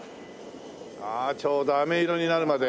ああちょうどあめ色になるまで？